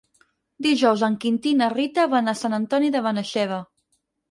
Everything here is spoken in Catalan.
Dijous en Quintí i na Rita van a Sant Antoni de Benaixeve.